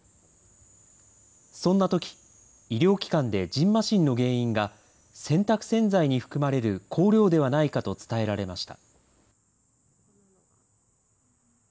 そんなとき、医療機関でじんましんの原因が洗濯洗剤に含まれる香料ではないかと伝えられました。